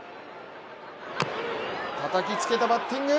たたきつけたバッティング。